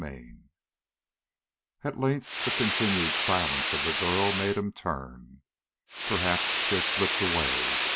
17 At length the continued silence of the girl made him turn. Perhaps she had slipped away.